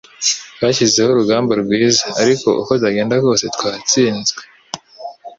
Twashyizeho urugamba rwiza, ariko uko byagenda kose twatsinzwe.